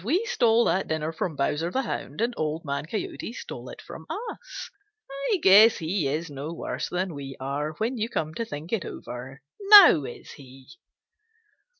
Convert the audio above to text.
We stole that dinner from Bowser the Hound, and Old Man Coyote stole it from us. I guess he is no worse than we are, when you come to think it over. Now is he?"